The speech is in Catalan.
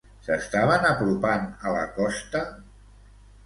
S'estaven apropant a la costa?